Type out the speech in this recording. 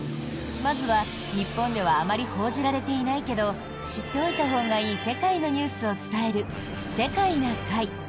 まずは、日本ではあまり報じられていないけど知っておいたほうがいい世界のニュースを伝える「世界な会」。